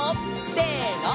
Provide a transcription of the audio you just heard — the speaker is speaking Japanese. せの！